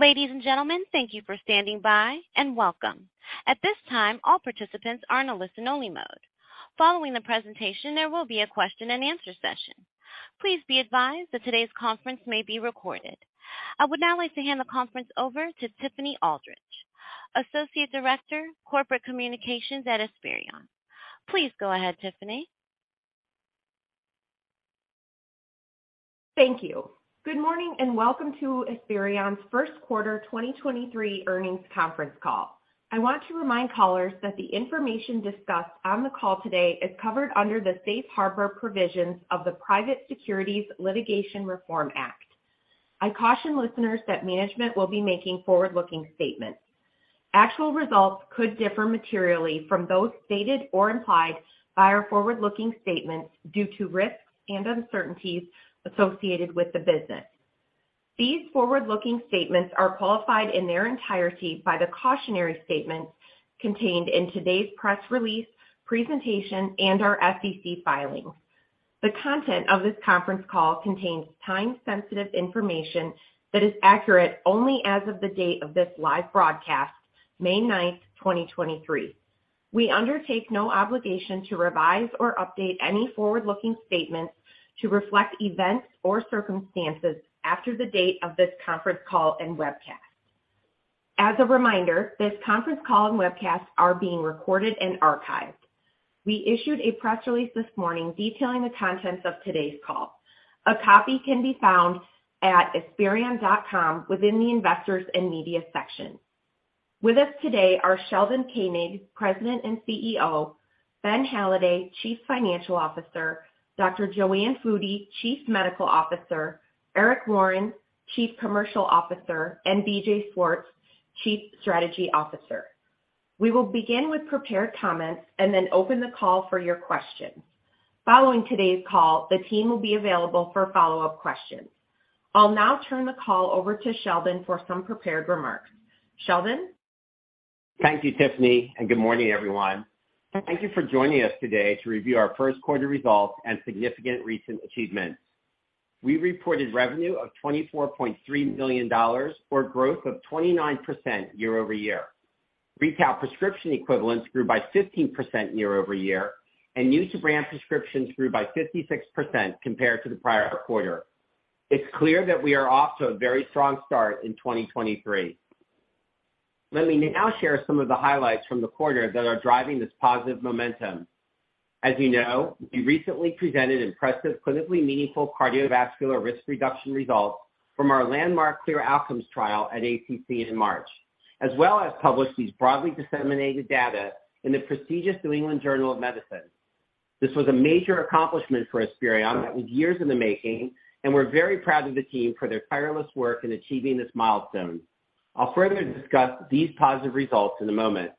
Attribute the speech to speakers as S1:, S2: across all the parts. S1: Ladies and gentlemen, thank you for standing by and welcome. At this time, all participants are in a listen only mode. Following the presentation, there will be a question and answer session. Please be advised that today's conference may be recorded. I would now like to hand the conference over to Tiffany Aldrich, Associate Director, Corporate Communications at Esperion. Please go ahead, Tiffany.
S2: Thank you. Good morning and welcome to Esperion's 1st quarter 2023 earnings conference call. I want to remind callers that the information discussed on the call today is covered under the safe harbor provisions of the Private Securities Litigation Reform Act. I caution listeners that management will be making forward-looking statements. Actual results could differ materially from those stated or implied by our forward-looking statements due to risks and uncertainties associated with the business. These forward-looking statements are qualified in their entirety by the cautionary statements contained in today's press release, presentation, and our SEC filings. The content of this conference call contains time-sensitive information that is accurate only as of the date of this live broadcast, May 9, 2023. We undertake no obligation to revise or update any forward-looking statements to reflect events or circumstances after the date of this conference call and webcast. As a reminder, this conference call and webcast are being recorded and archived. We issued a press release this morning detailing the contents of today's call. A copy can be found at esperion.com within the investors and media section. With us today are Sheldon Koenig, President and CEO, Ben Halladay, Chief Financial Officer, Dr. JoAnne Foody, Chief Medical Officer, Eric Warren, Chief Commercial Officer, and BJ Swartz, Chief Strategy Officer. We will begin with prepared comments and then open the call for your questions. Following today's call, the team will be available for follow-up questions. I'll now turn the call over to Sheldon for some prepared remarks. Sheldon?
S3: Thank you, Tiffany. Good morning, everyone. Thank you for joining us today to review our first quarter results and significant recent achievements. We reported revenue of $24.3 million for growth of 29% year-over-year. Retail prescription equivalents grew by 15% year-over-year, and new to brand prescriptions grew by 56% compared to the prior quarter. It's clear that we are off to a very strong start in 2023. Let me now share some of the highlights from the quarter that are driving this positive momentum. As you know, we recently presented impressive clinically meaningful cardiovascular risk reduction results from our landmark CLEAR Outcomes trial at ACC in March, as well as published these broadly disseminated data in the prestigious New England Journal of Medicine. This was a major accomplishment for Esperion that was years in the making, and we're very proud of the team for their tireless work in achieving this milestone. I'll further discuss these positive results in a moment.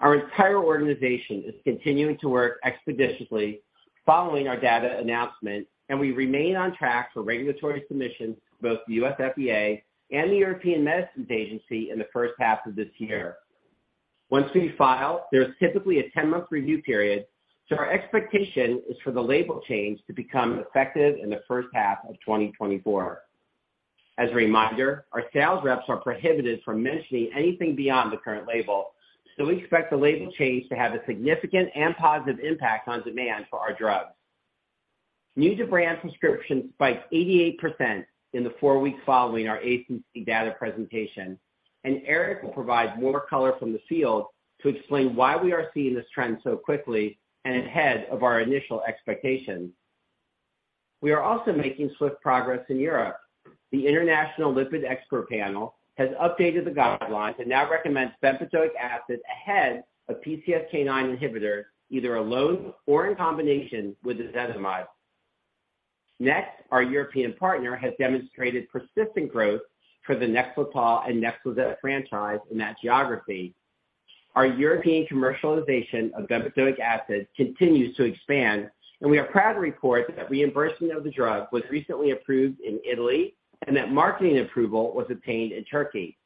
S3: Our entire organization is continuing to work expeditiously following our data announcement, and we remain on track for regulatory submissions to both the U.S. FDA and the European Medicines Agency in the first half of this year. Once we file, there's typically a 10-month review period, so our expectation is for the label change to become effective in the first half of 2024. As a reminder, our sales reps are prohibited from mentioning anything beyond the current label, so we expect the label change to have a significant and positive impact on demand for our drugs. New to brand prescriptions spiked 88% in the four weeks following our ACC data presentation, and Eric will provide more color from the field to explain why we are seeing this trend so quickly and ahead of our initial expectations. We are also making swift progress in Europe. The International Lipid Expert Panel has updated the guidelines and now recommends bempedoic acid ahead of PCSK9 inhibitor, either alone or in combination with ezetimibe. Our European partner has demonstrated persistent growth for the NEXLETOL and NEXLIZET franchise in that geography. Our European commercialization of bempedoic acid continues to expand, and we are proud to report that reimbursement of the drug was recently approved in Italy and that marketing approval was obtained in Turkey.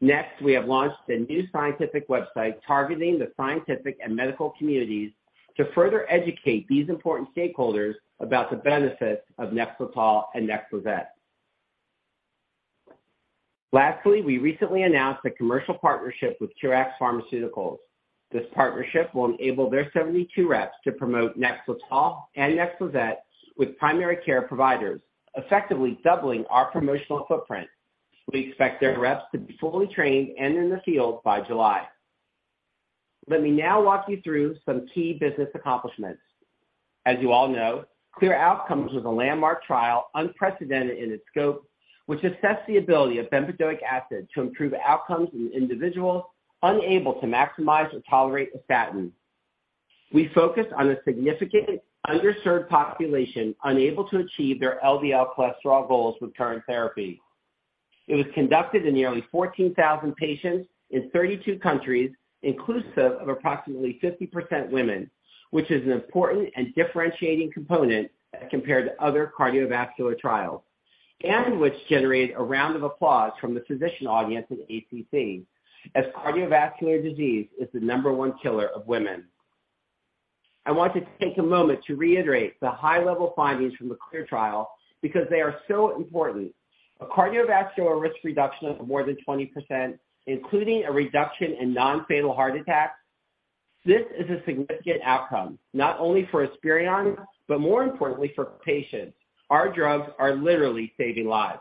S3: We have launched a new scientific website targeting the scientific and medical communities to further educate these important stakeholders about the benefits of NEXLETOL and NEXLIZET. We recently announced a commercial partnership with Currax Pharmaceuticals. This partnership will enable their 72 reps to promote NEXLETOL and NEXLIZET with primary care providers, effectively doubling our promotional footprint. We expect their reps to be fully trained and in the field by July. Let me now walk you through some key business accomplishments. As you all know, CLEAR Outcomes was a landmark trial unprecedented in its scope, which assessed the ability of bempedoic acid to improve outcomes in individuals unable to maximize or tolerate a statin. We focused on a significant underserved population unable to achieve their LDL cholesterol goals with current therapy. It was conducted in nearly 14,000 patients in 32 countries, inclusive of approximately 50% women, which is an important and differentiating component as compared to other cardiovascular trials, and which generated a round of applause from the physician audience at ACC as cardiovascular disease is the number 1 killer of women. I want to take a moment to reiterate the high level findings from the CLEAR trial because they are so important. A cardiovascular risk reduction of more than 20%, including a reduction in non-fatal heart attacks. This is a significant outcome, not only for Esperion, but more importantly for patients. Our drugs are literally saving lives.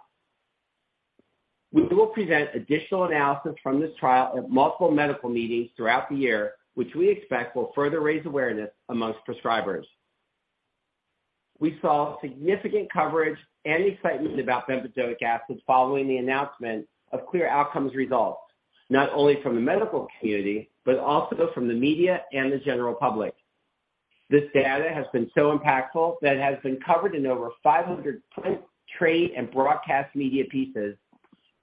S3: We will present additional analysis from this trial at multiple medical meetings throughout the year, which we expect will further raise awareness amongst prescribers. We saw significant coverage and excitement about bempedoic acid following the announcement of CLEAR Outcomes results, not only from the medical community, but also from the media and the general public. This data has been so impactful that it has been covered in over 500 print, trade, and broadcast media pieces,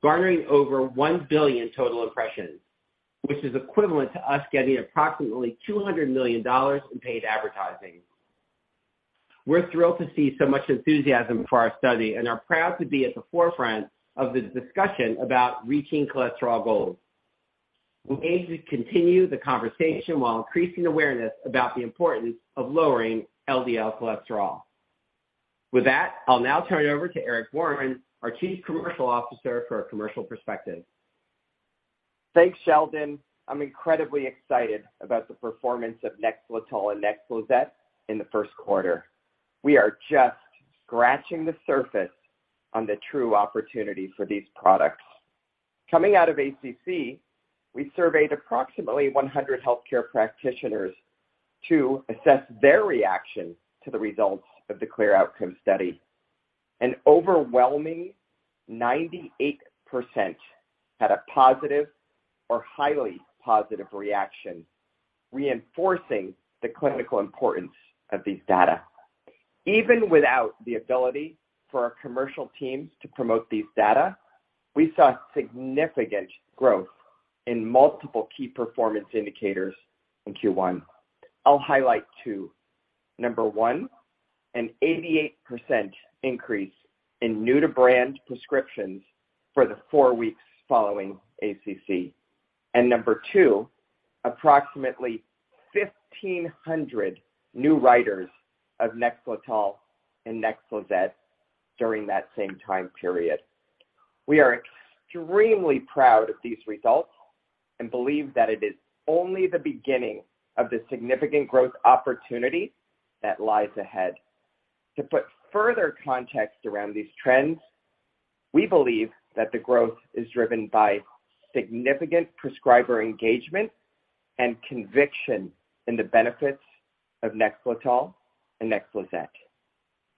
S3: garnering over 1 billion total impressions, which is equivalent to us getting approximately $200 million in paid advertising. We're thrilled to see so much enthusiasm for our study and are proud to be at the forefront of the discussion about reaching cholesterol goals. We aim to continue the conversation while increasing awareness about the importance of lowering LDL cholesterol. With that, I'll now turn it over to Eric Warren, our Chief Commercial Officer, for a commercial perspective.
S4: Thanks, Sheldon. I'm incredibly excited about the performance of NEXLETOL and NEXLIZET in the first quarter. We are just scratching the surface on the true opportunity for these products. Coming out of ACC, we surveyed approximately 100 healthcare practitioners to assess their reaction to the results of the CLEAR Outcomes study. An overwhelming 98% had a positive or highly positive reaction, reinforcing the clinical importance of these data. Even without the ability for our commercial teams to promote these data, we saw significant growth in multiple key performance indicators in Q1. I'll highlight two. Number one, an 88% increase in new-to-brand prescriptions for the four weeks following ACC. Number two, approximately 1,500 new writers of NEXLETOL and NEXLIZET during that same time period. We are extremely proud of these results and believe that it is only the beginning of the significant growth opportunity that lies ahead. To put further context around these trends, we believe that the growth is driven by significant prescriber engagement and conviction in the benefits of NEXLETOL and NEXLIZET.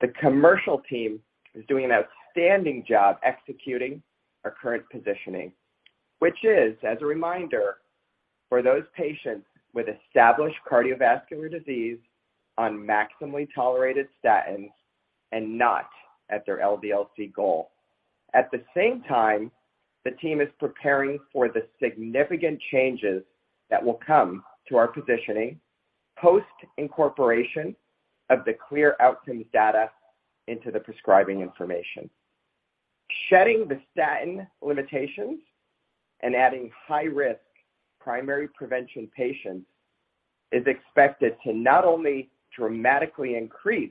S4: The commercial team is doing an outstanding job executing our current positioning, which is, as a reminder, for those patients with established cardiovascular disease on maximally tolerated statins and not at their LDL-C goal. At the same time, the team is preparing for the significant changes that will come to our positioning post-incorporation of the CLEAR Outcomes data into the prescribing information. Shedding the statin limitations and adding high-risk primary prevention patients is expected to not only dramatically increase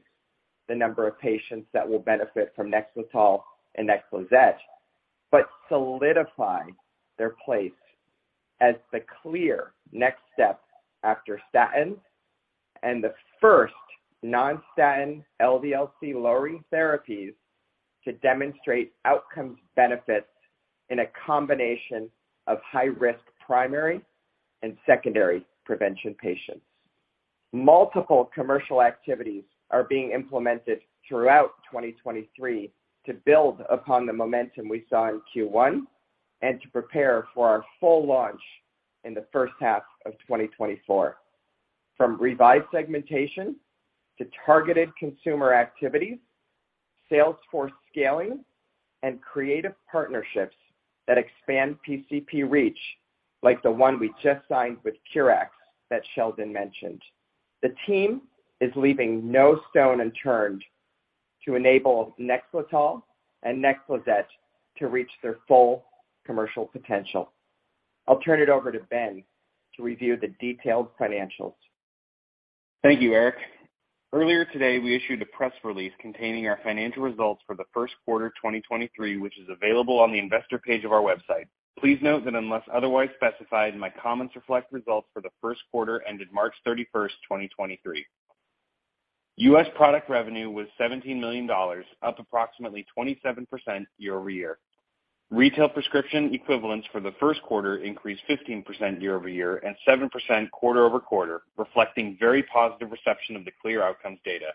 S4: the number of patients that will benefit from NEXLETOL and NEXLIZET, but solidify their place as the clear next step after statins and the first non-statin LDL-C lowering therapies to demonstrate outcomes benefits in a combination of high-risk primary and secondary prevention patients. Multiple commercial activities are being implemented throughout 2023 to build upon the momentum we saw in Q1 and to prepare for our full launch in the first half of 2024, from revised segmentation to targeted consumer activities, sales force scaling, and creative partnerships that expand PCP reach, like the one we just signed with Currax that Sheldon mentioned. The team is leaving no stone unturned to enable NEXLETOL and NEXLIZET to reach their full commercial potential. I'll turn it over to Ben to review the detailed financials.
S5: Thank you, Eric. Earlier today, we issued a press release containing our financial results for the first quarter 2023, which is available on the investor page of our website. Please note that unless otherwise specified, my comments reflect results for the first quarter ended March 31st, 2023. U.S. product revenue was $17 million, up approximately 27% year-over-year. Retail prescription equivalents for the first quarter increased 15% year-over-year and 7% quarter-over-quarter, reflecting very positive reception of the CLEAR Outcomes data.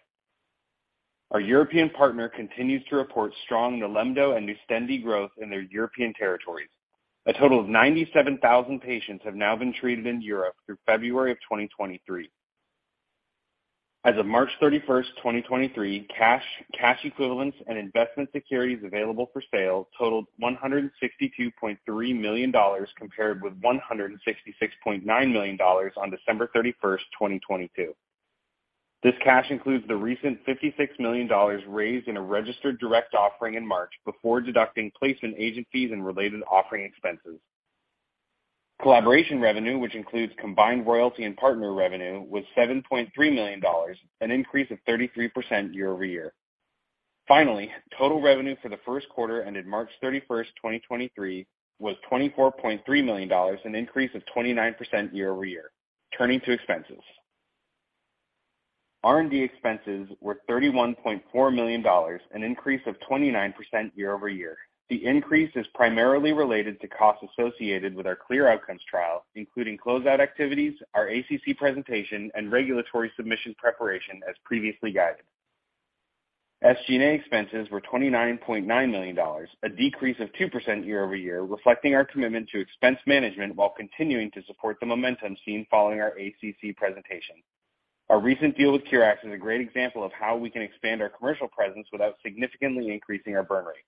S5: Our European partner continues to report strong NILEMDO and NUSTENDI growth in their European territories. A total of 97,000 patients have now been treated in Europe through February of 2023. As of March 31st, 2023, cash equivalents, and investment securities available for sale totaled $162.3 million compared with $166.9 million on December 31st, 2022. This cash includes the recent $56 million raised in a registered direct offering in March before deducting placement agent fees and related offering expenses. Collaboration revenue, which includes combined royalty and partner revenue, was $7.3 million, an increase of 33% year-over-year. Finally, total revenue for the first quarter ended March 31st, 2023 was $24.3 million, an increase of 29% year-over-year. Turning to expenses. R&D expenses were $31.4 million, an increase of 29% year-over-year. The increase is primarily related to costs associated with our CLEAR Outcomes trial, including closeout activities, our ACC presentation, and regulatory submission preparation, as previously guided. SG&A expenses were $29.9 million, a decrease of 2% year-over-year, reflecting our commitment to expense management while continuing to support the momentum seen following our ACC presentation. Our recent deal with Currax is a great example of how we can expand our commercial presence without significantly increasing our burn rate.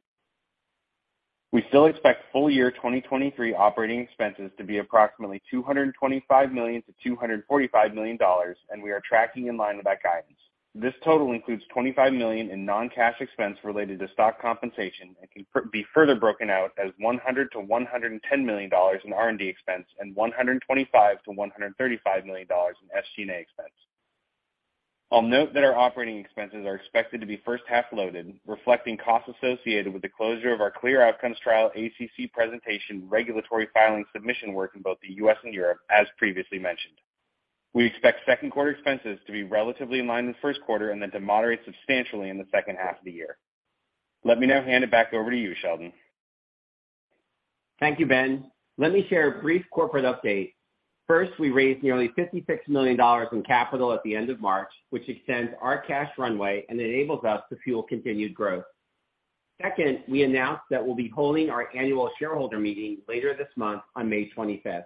S5: We still expect full year 2023 operating expenses to be approximately $225 million-$245 million. We are tracking in line with that guidance. This total includes $25 million in non-cash expense related to stock compensation and can be further broken out as $100 million-$110 million in R&D expense and $125 million-$135 million in SG&A expense. I'll note that our operating expenses are expected to be first half loaded, reflecting costs associated with the closure of our CLEAR Outcomes trial ACC presentation regulatory filing submission work in both the U.S. and Europe, as previously mentioned. We expect second quarter expenses to be relatively in line with first quarter and then to moderate substantially in the second half of the year. Let me now hand it back over to you, Sheldon.
S3: Thank you, Ben. Let me share a brief corporate update. First, we raised nearly $56 million in capital at the end of March, which extends our cash runway and enables us to fuel continued growth. Second, we announced that we'll be holding our annual shareholder meeting later this month on May 25th.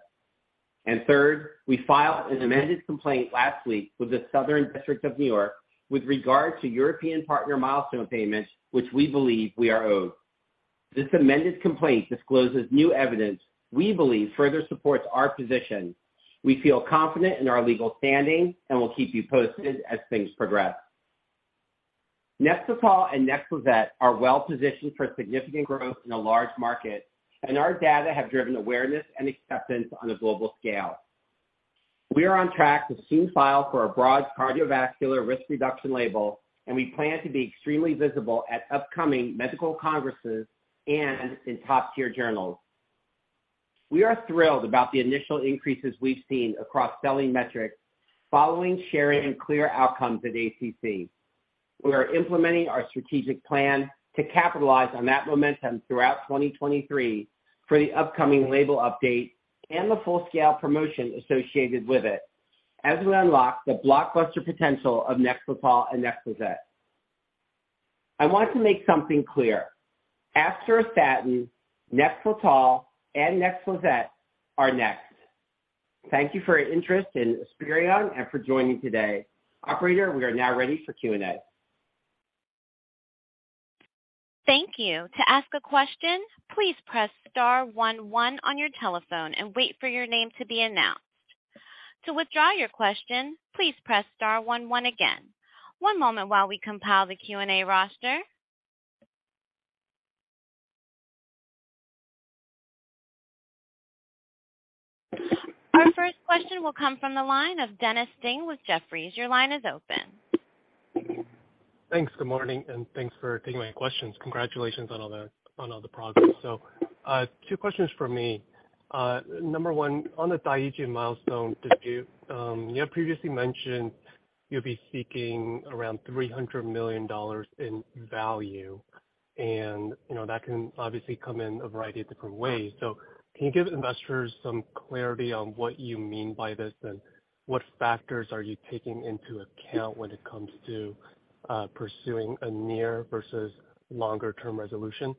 S3: Third, we filed an amended complaint last week with the Southern District of New York with regard to European partner milestone payments, which we believe we are owed. This amended complaint discloses new evidence we believe further supports our position. We feel confident in our legal standing, and we'll keep you posted as things progress. NEXLETOL and NEXLIZET are well positioned for significant growth in a large market, and our data have driven awareness and acceptance on a global scale. We are on track to soon file for a broad cardiovascular risk reduction label, and we plan to be extremely visible at upcoming medical congresses and in top-tier journals. We are thrilled about the initial increases we've seen across selling metrics following sharing and CLEAR Outcomes at ACC. We are implementing our strategic plan to capitalize on that momentum throughout 2023 for the upcoming label update and the full-scale promotion associated with it as we unlock the blockbuster potential of NEXLETOL and NEXLIZET. I want to make something clear. After a statin, NEXLETOL and NEXLIZET are next. Thank you for your interest in Esperion and for joining today. Operator, we are now ready for Q&A.
S1: Thank you. To ask a question, please press star one one on your telephone and wait for your name to be announced. To withdraw your question, please press star one one again. One moment while we compile the Q&A roster. Our first question will come from the line of Dennis Ding with Jefferies. Your line is open.
S6: Thanks. Good morning, thanks for taking my questions. Congratulations on all the progress. Two questions from me. Number one, on the Daiichi milestone, you have previously mentioned you'll be seeking around $300 million in value and, you know, that can obviously come in a variety of different ways. Can you give investors some clarity on what you mean by this, and what factors are you taking into account when it comes to pursuing a near versus longer-term resolution?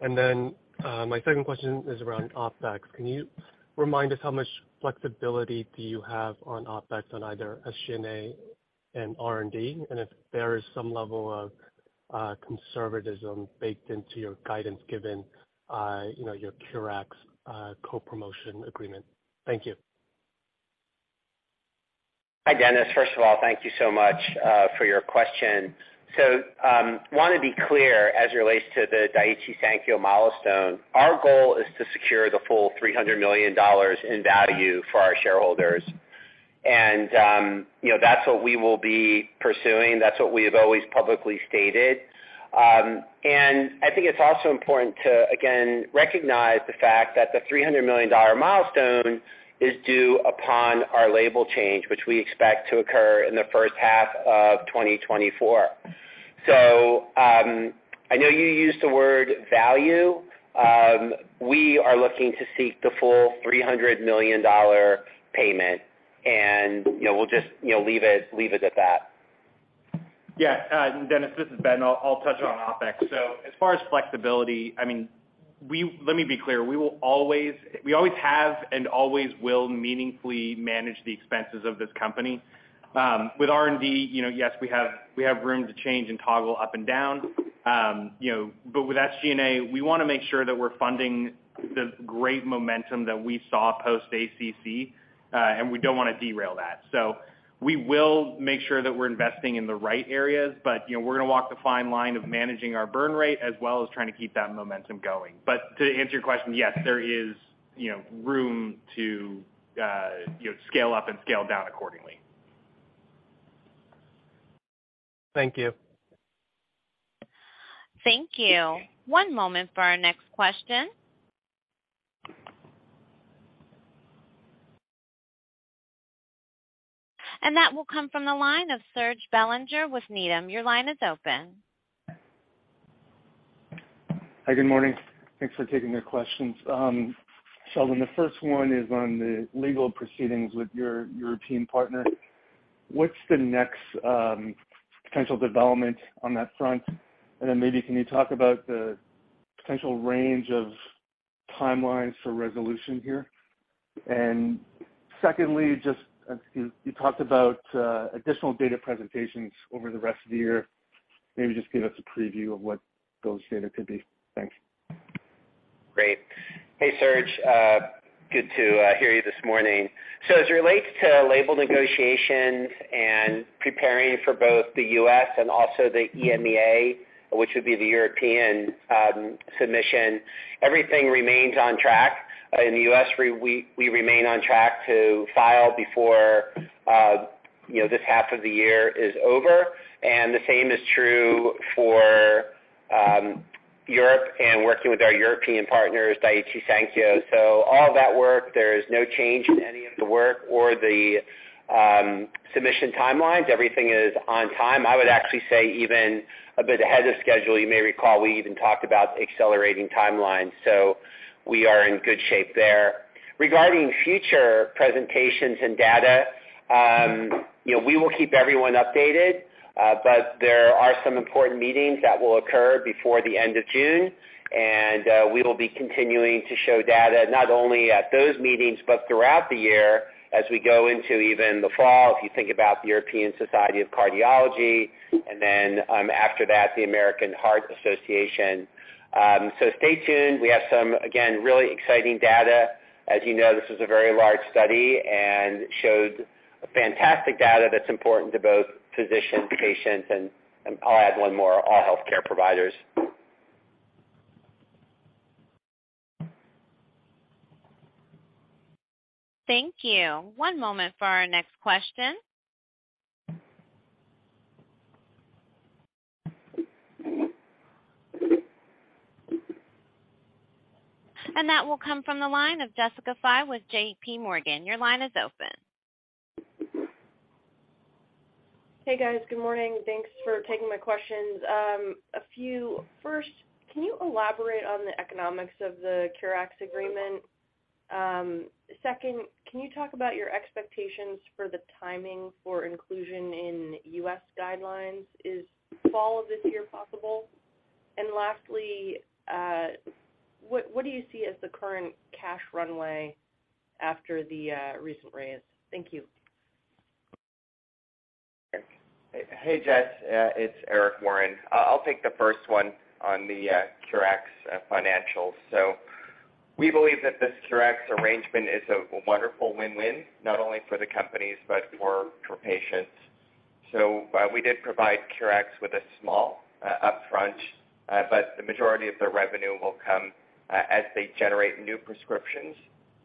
S6: My second question is around OpEx. Can you remind us how much flexibility do you have on OpEx on either SG&A and R&D? If there is some level of conservatism baked into your guidance given, you know, your Currax co-promotion agreement. Thank you.
S3: Hi, Dennis. First of all, thank you so much for your question. Want to be clear as it relates to the Daiichi Sankyo milestone, our goal is to secure the full $300 million in value for our shareholders. you know, that's what we will be pursuing. That's what we have always publicly stated. I think it's also important to, again, recognize the fact that the $300 million milestone is due upon our label change, which we expect to occur in the first half of 2024. I know you used the word value. We are looking to seek the full $300 million payment and, you know, we'll just, you know, leave it at that.
S5: Yeah. Dennis, this is Ben. I'll touch on OpEx. As far as flexibility, I mean, let me be clear. We always have and always will meaningfully manage the expenses of this company. With R&D, you know, yes, we have room to change and toggle up and down. With SG&A, we wanna make sure that we're funding the great momentum that we saw post ACC, and we don't wanna derail that. We will make sure that we're investing in the right areas. You know, we're gonna walk the fine line of managing our burn rate as well as trying to keep that momentum going. To answer your question, yes, there is, you know, room to scale up and scale down accordingly.
S6: Thank you.
S1: Thank you. One moment for our next question. That will come from the line of Serge Belanger with Needham. Your line is open.
S7: Hi, good morning. Thanks for taking the questions. Sheldon, the first one is on the legal proceedings with your European partner. What's the next potential development on that front? Maybe can you talk about the potential range of timelines for resolution here? Secondly, just, you talked about additional data presentations over the rest of the year. Maybe just give us a preview of what those data could be. Thanks.
S3: Great. Hey, Serge, good to hear you this morning. As it relates to label negotiations and preparing for both the U.S. and also the EMEA, which would be the European, submission, everything remains on track. In the U.S., we remain on track to file before, you know, this half of the year is over. The same is true for Europe and working with our European partners, Daiichi Sankyo. All that work, there is no change in any of the work or the submission timelines. Everything is on time. I would actually say even a bit ahead of schedule. You may recall, we even talked about accelerating timelines, so we are in good shape there. Regarding future presentations and data, you know, we will keep everyone updated, but there are some important meetings that will occur before the end of June. We will be continuing to show data not only at those meetings but throughout the year as we go into even the fall, if you think about the European Society of Cardiology, and then, after that, the American Heart Association. Stay tuned. We have some, again, really exciting data. As you know, this is a very large study and showed fantastic data that's important to both physicians, patients, and I'll add one more, all healthcare providers.
S1: Thank you. One moment for our next question. That will come from the line of Jessica Fye with J.P. Morgan. Your line is open.
S8: Hey, guys. Good morning. Thanks for taking my questions. A few. First, can you elaborate on the economics of the Currax agreement? Second, can you talk about your expectations for the timing for inclusion in U.S. guidelines? Is fall of this year possible? Lastly, what do you see as the current cash runway after the recent raise? Thank you.
S3: Hey, Jess. It's Eric Warren. I'll take the first one on the Currax financials. We believe that this Currax arrangement is a wonderful win-win, not only for the companies, but for patients. We did provide Currax with a small upfront, but the majority of their revenue will come as they generate new prescriptions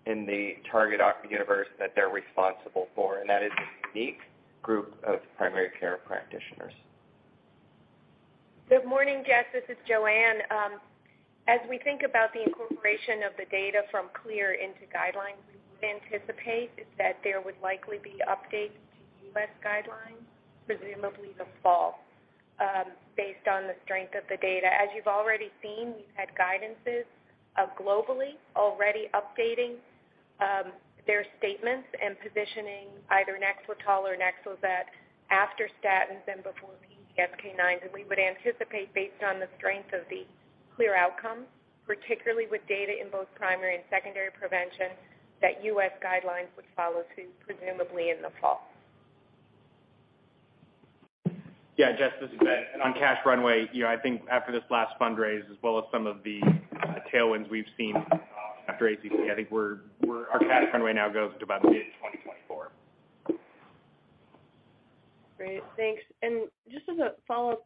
S3: in the target universe that they're responsible for. That is a unique group of primary care practitioners.
S9: Good morning, Jess. This is JoAnne. As we think about the incorporation of the data from CLEAR Outcomes into guidelines, we anticipate that there would likely be updates to U.S. guidelines, presumably the fall, based on the strength of the data. As you've already seen, we've had guidances globally already updating their statements and positioning either NEXLETOL or NEXLIZET after statins and before PCSK9. We would anticipate based on the strength of the CLEAR Outcomes, particularly with data in both primary and secondary prevention, that U.S. guidelines would follow through, presumably in the fall.
S3: Yeah, Jess, this is Ben. On cash runway, you know, I think after this last fundraise, as well as some of the tailwinds we've seen after ACC, I think our cash runway now goes to about mid-2024.
S8: Great. Thanks. Just as a follow-up,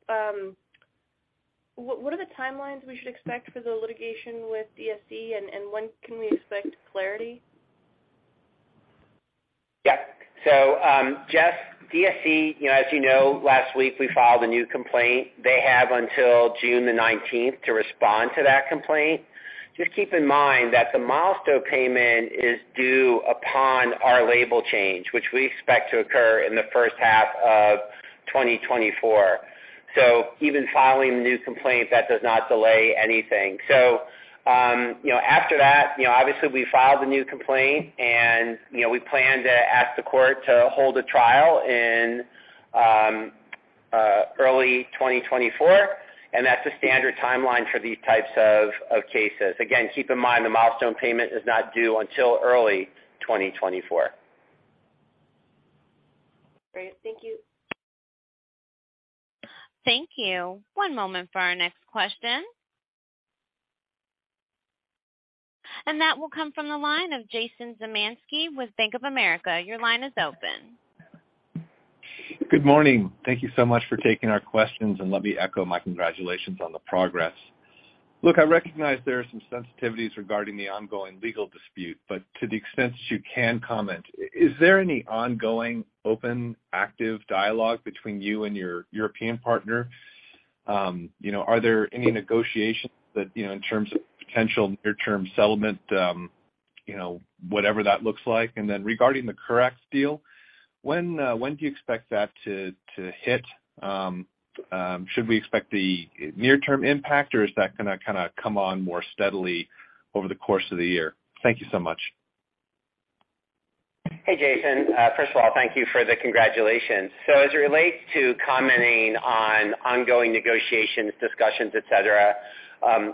S8: what are the timelines we should expect for the litigation with DSE? When can we expect clarity?
S3: Yeah. Jess, DSE, you know, as you know, last week, we filed a new complaint. They have until June 19th to respond to that complaint. Just keep in mind that the milestone payment is due upon our label change, which we expect to occur in the first half of 2024. Even filing the new complaint, that does not delay anything. You know, after that, you know, obviously we filed a new complaint and, you know, we plan to ask the court to hold a trial in early 2024, and that's a standard timeline for these types of cases. Again, keep in mind, the milestone payment is not due until early 2024.
S8: Great. Thank you.
S1: Thank you. One moment for our next question. That will come from the line of Jason Zemansky with Bank of America. Your line is open.
S10: Good morning. Thank you so much for taking our questions, and let me echo my congratulations on the progress. Look, I recognize there are some sensitivities regarding the ongoing legal dispute, but to the extent that you can comment, is there any ongoing open, active dialogue between you and your European partner? You know, are there any negotiations that, you know, in terms of potential near-term settlement, you know, whatever that looks like? Regarding the Currax deal, when do you expect that to hit? Should we expect the near-term impact, or is that gonna kinda come on more steadily over the course of the year? Thank you so much.
S3: Hey, Jason. First of all, thank you for the congratulations. As it relates to commenting on ongoing negotiations, discussions, et cetera,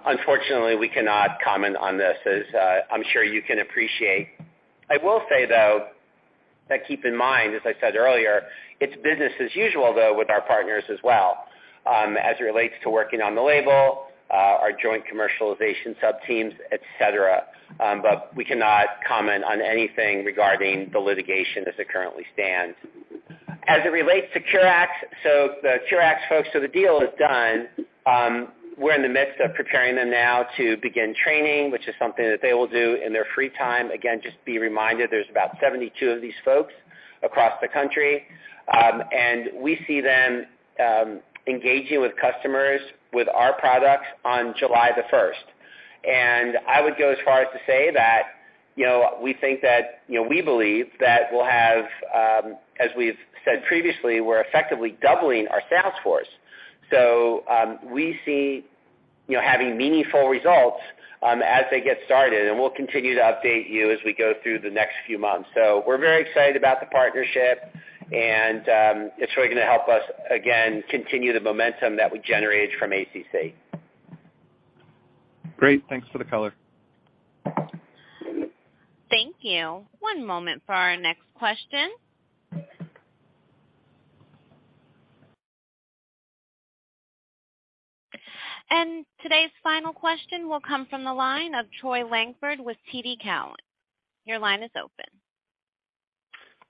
S3: unfortunately, we cannot comment on this, as I'm sure you can appreciate. I will say, though, that keep in mind, as I said earlier, it's business as usual, though, with our partners as well, as it relates to working on the label, our joint commercialization subteams, et cetera. We cannot comment on anything regarding the litigation as it currently stands. As it relates to Currax, the Currax folks, the deal is done. We're in the midst of preparing them now to begin training, which is something that they will do in their free time. Again, just be reminded, there's about 72 of these folks across the country. We see them engaging with customers with our products on July the 1st. I would go as far as to say that, you know, we think that, you know, we believe that we'll have as we've said previously, we're effectively doubling our sales force. We see, you know, having meaningful results as they get started, and we'll continue to update you as we go through the next few months. We're very excited about the partnership and it's really gonna help us, again, continue the momentum that we generated from ACC.
S10: Great. Thanks for the color.
S1: Thank you. One moment for our next question. Today's final question will come from the line of Troy Langford with TD Cowen. Your line is open.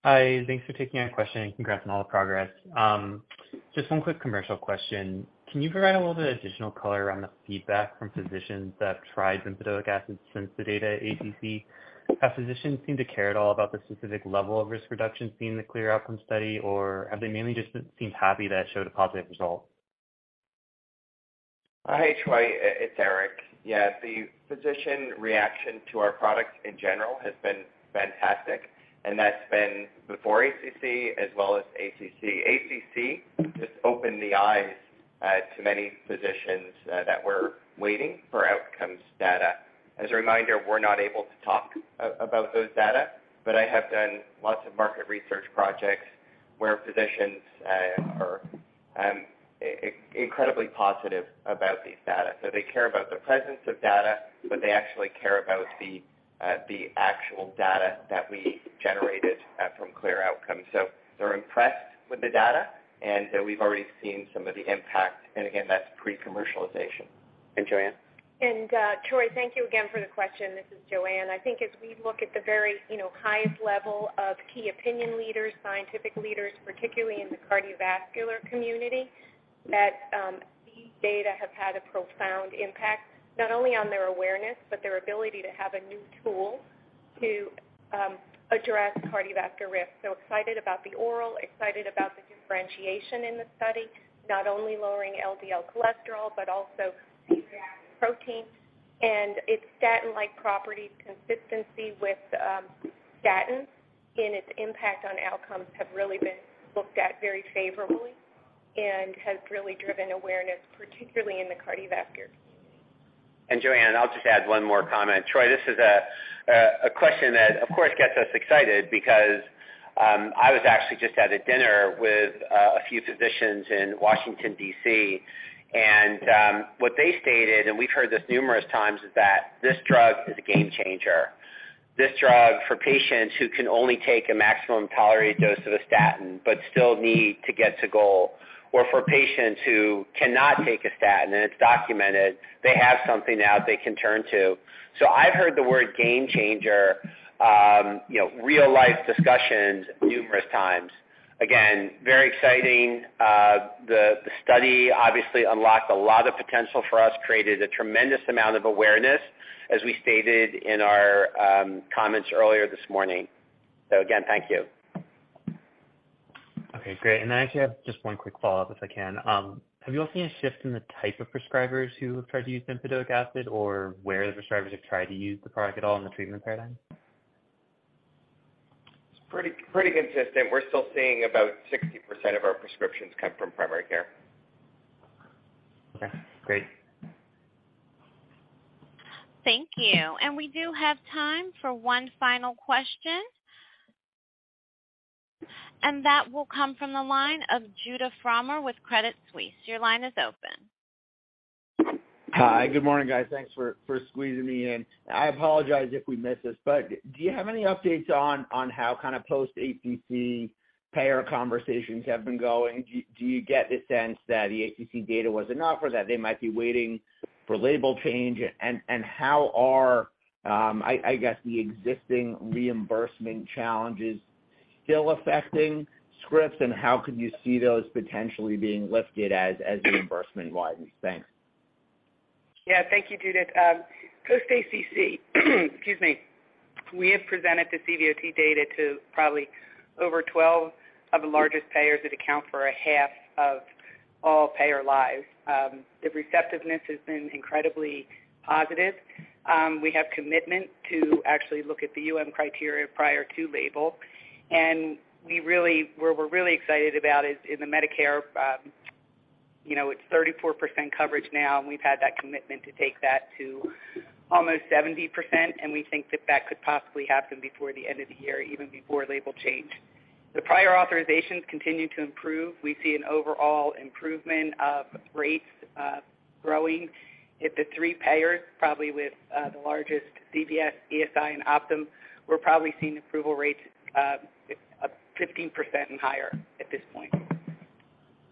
S11: Hi. Thanks for taking my question. Congrats on all the progress. Just one quick commercial question. Can you provide a little bit of additional color around the feedback from physicians that have tried bempedoic acid since the data at ACC? Have physicians seemed to care at all about the specific level of risk reduction seen in the clear outcomes study, or have they mainly just seemed happy that it showed a positive result?
S3: Hi, Troy. It's Eric. The physician reaction to our products in general has been fantastic, and that's been before ACC as well as ACC. ACC just opened the eyes to many physicians that were waiting for outcomes data. As a reminder, we're not able to talk about those data, but I have done lots of market research projects where physicians are incredibly positive about these data. They care about the presence of data, but they actually care about the actual data that we generated from CLEAR Outcomes. They're impressed with the data, and we've already seen some of the impact. Again, that's pre-commercialization. JoAnne?
S9: Troy, thank you again for the question. This is JoAnne. I think as we look at the very, you know, highest level of key opinion leaders, scientific leaders, particularly in the cardiovascular community, that these data have had a profound impact, not only on their awareness, but their ability to have a new tool to address cardiovascular risk. Excited about the oral, excited about the differentiation in the study, not only lowering LDL cholesterol, but also protein. Its statin-like properties, consistency with statin in its impact on outcomes have really been looked at very favorably and has really driven awareness, particularly in the cardiovascular community.
S3: JoAnne, I'll just add 1 more comment. Troy, this is a question that, of course, gets us excited because I was actually just at a dinner with a few physicians in Washington, D.C. What they stated, and we've heard this numerous times, is that this drug is a game changer. This drug for patients who can only take a maximum tolerated dose of a statin but still need to get to goal, or for patients who cannot take a statin and it's documented, they have something now they can turn to. I've heard the word game changer, you know, real-life discussions numerous times. Again, very exciting. The study obviously unlocked a lot of potential for us, created a tremendous amount of awareness, as we stated in our comments earlier this morning. Again, thank you.
S11: Okay, great. I actually have just one quick follow-up, if I can. Have you all seen a shift in the type of prescribers who have tried to use bempedoic acid or where the prescribers have tried to use the product at all in the treatment paradigm?
S3: It's pretty consistent. We're still seeing about 60% of our prescriptions come from primary care.
S11: Okay, great.
S1: Thank you. We do have time for one final question. That will come from the line of Judah Frommer with Credit Suisse. Your line is open.
S12: Hi. Good morning, guys. Thanks for squeezing me in. I apologize if we missed this. Do you have any updates on how kinda post-ACC payer conversations have been going? Do you get the sense that the ACC data was enough or that they might be waiting for label change? How are, I guess the existing reimbursement challenges still affecting scripts, and how could you see those potentially being lifted as the reimbursement widens? Thanks.
S13: Yeah. Thank you, Judah. Post-ACC, excuse me, we have presented the CDOT data to probably over 12 of the largest payers that account for a half of all payer lives. The receptiveness has been incredibly positive. We have commitment to actually look at the UM criteria prior to label. What we're really excited about is in the Medicare, you know, it's 34% coverage now, and we've had that commitment to take that to almost 70%, and we think that that could possibly happen before the end of the year, even before label change. The prior authorizations continue to improve. We see an overall improvement of rates growing. At the three payers, probably with the largest CVS, ESI and Optum, we're probably seeing approval rates 15% and higher at this point.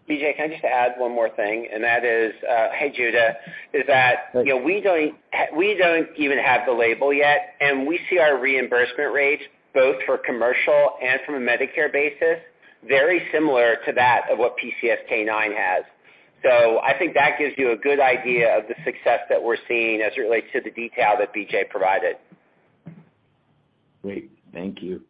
S3: BJ, can I just add one more thing? That is, hey, Judah.
S12: Hey.
S3: you know, we don't even have the label yet, and we see our reimbursement rates, both for commercial and from a Medicare basis, very similar to that of what PCSK9 has. I think that gives you a good idea of the success that we're seeing as it relates to the detail that BJ provided.
S12: Great. Thank you.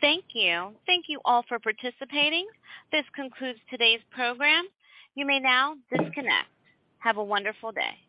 S1: Thank you. Thank you all for participating. This concludes today's program. You may now disconnect. Have a wonderful day.